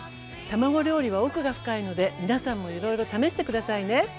卵料理は奥が深いので皆さんもいろいろ試して下さいね。